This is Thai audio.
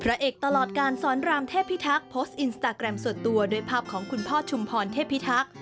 เอกตลอดการสอนรามเทพิทักษ์โพสต์อินสตาแกรมส่วนตัวด้วยภาพของคุณพ่อชุมพรเทพิทักษ์